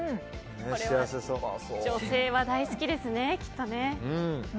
女性は大好きですね、きっとね。